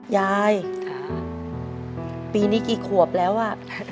ยายปีนี้กี่ขวบแล้วอ่ะ